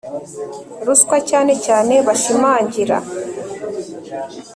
ruswa cyane cyane bashimangira